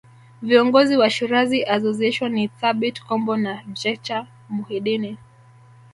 Viongozi wa Shirazi Association ni Thabit Kombo na Jecha Muhidini